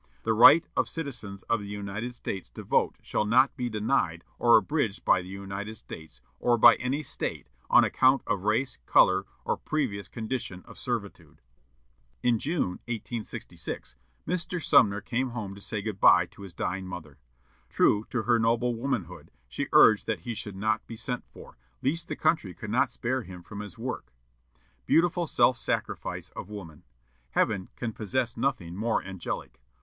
The right of citizens of the United States to vote shall not be denied or abridged by the United States, or by any State, on account of race, color, or previous condition of servitude." In June, 1866, Mr. Sumner came home to say good bye to his dying mother. True to her noble womanhood, she urged that he should not be sent for, lest the country could not spare him from his work. Beautiful self sacrifice of woman! Heaven can possess nothing more angelic.